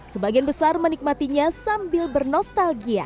sebagian besar menikmatinya sambil bernostalgia